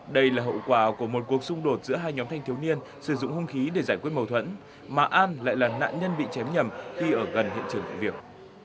đây là hậu quả của một cuộc xung đột giữa hai nhóm thanh thiếu niên sử dụng hung khí để giải quyết mâu thuẫn mà an lại là nạn nhân bị chém nhầm khi ở gần hiện trường vụ việc